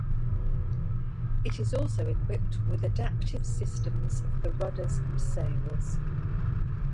It is also equipped with adaptive systems for the rudders and sails.